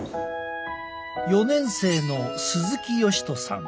４年生の鈴木義人さん。